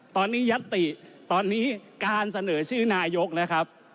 ตอนนี้ยัตติตอนนี้การเสนอชื่อนายกนะครับ